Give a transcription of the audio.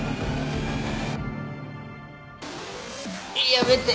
やめて。